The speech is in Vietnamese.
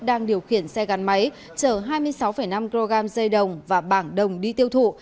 đang điều khiển xe gắn máy chở hai mươi sáu năm kg dây đồng và bảng đồng đi tiêu thụ